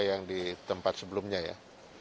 yang di tempat sebelumnya ya